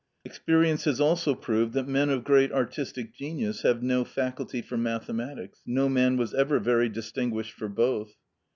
Experience has also proved that men of great artistic genius have no faculty for mathematics; no man was ever very distinguished for both.